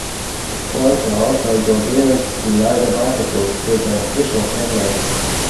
One can also go there to ride a bicycle, feed the fish or picnic.